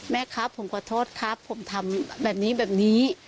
แม่ครับผมขอโทษครับผมทำแบบนี้แบบนี้